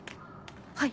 はい。